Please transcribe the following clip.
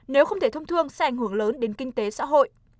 nếu không thể thông thương sẽ ảnh hưởng lớn đến kinh tế xã hội